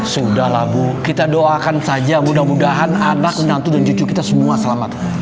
sudahlah bu kita doakan saja mudah mudahan anak nantu dan cucu kita semua selamat